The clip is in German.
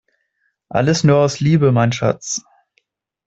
Alles nur aus Liebe, mein Schatz!